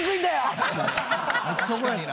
確かにな。